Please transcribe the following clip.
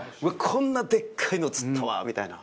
こんなでっかいの釣ったわみたいな。